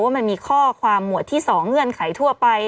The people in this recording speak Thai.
มันมีข้อความหมวดที่๒เงื่อนไขทั่วไป